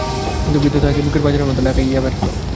কিন্তু বৃদ্ধ তাহাকে বুকের পাঁজরের মতো ঢাকিয়া বেড়াইত।